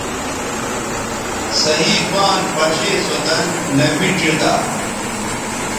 صحیح پان پشے سو دَن نبی ڇیدا